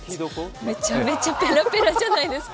めちゃめちゃペラペラじゃないですか。